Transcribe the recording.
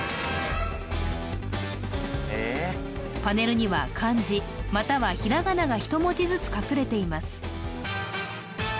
パネルには漢字またはひらがなが１文字ずつ隠れています